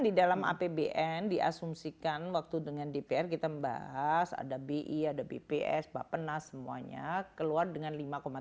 di dalam apbn diasumsikan waktu dengan dpr kita membahas ada bi ada bps bapenas semuanya keluar dengan lima tujuh